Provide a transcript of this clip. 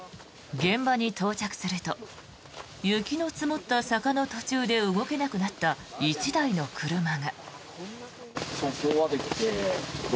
現場に到着すると雪の積もった坂の途中で動けなくなった１台の車が。